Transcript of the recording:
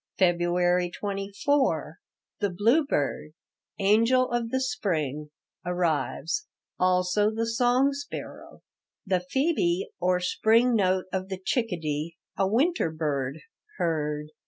February 24 The bluebird, "angel of the spring," arrives; also the song sparrow. The phebe or spring note of the chickadee, a winter bird, heard.